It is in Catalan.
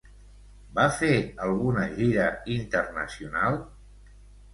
Va fer alguna gira internacional?